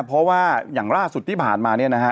เพราะว่าอย่างล่าสุดที่ผ่านมาเนี่ยนะฮะ